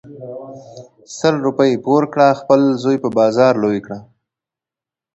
سل روپی پور کړه خپل زوی په بازار لوی کړه .